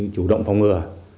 chủ động phòng ngừa